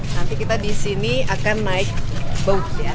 nanti kita di sini akan naik boat ya